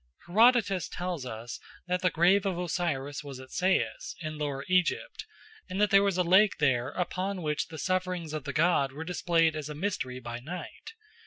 Herodotus tells us that the grave of Osiris was at Sais in Lower Egypt, and that there was a lake there upon which the sufferings of the god were displayed as a mystery by night.